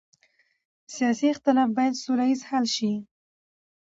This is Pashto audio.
سیاسي اختلاف باید سوله ییز حل شي